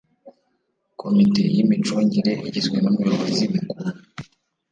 komite y imicungire igizwe n umuyobozi mukuru